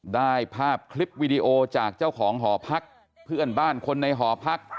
ได้ภาพคลิปวิดีโอจากเจ้าของหอพักเพื่อนบ้านคนในหอพัก